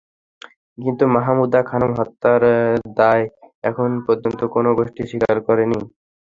কিন্তু মাহমুদা খানম হত্যার দায় এখন পর্যন্ত কোনো গোষ্ঠী স্বীকার করেনি।